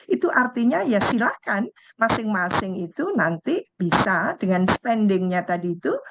itu artinya ya silahkan masing masing itu nanti bisa dengan spendingnya tadi itu